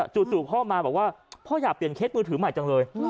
จู่พ่อมาบอกว่าพ่ออยากเปลี่ยนเคสมือถือใหม่จังเลย